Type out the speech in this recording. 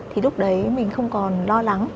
thì lúc đấy mình không còn lo lắng